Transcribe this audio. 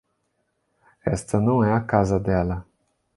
Esta não é a casa dela.